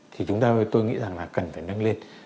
thì chúng ta nghĩ rằng là cần phải nâng lên